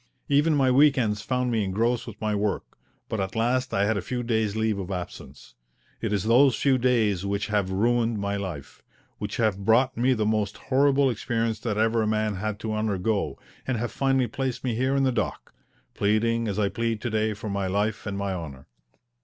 Even my week ends found me engrossed with my work, but at last I had a few days' leave of absence. It is those few days which have ruined my life, which have brought me the most horrible experience that ever a man had to undergo, and have finally placed me here in the dock, pleading as I plead to day for my life and my honour.